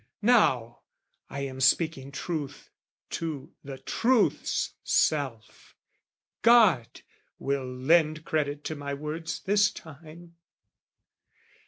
Now I am speaking truth to the Truth's self: God will lend credit to my words this time.